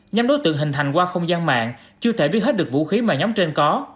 nhóm đối tượng hình thành qua không gian mạng chưa thể biết hết được vũ khí mà nhóm trên có